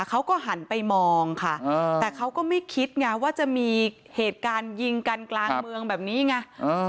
เขาก็หันไปมองค่ะแต่เขาก็ไม่คิดไงว่าจะมีเหตุการณ์ยิงกันกลางเมืองแบบนี้ไง